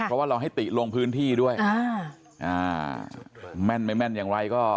เพราะว่าเราให้ติลงพื้นที่ด้วยแม่นไม่แม่นอย่างไรก็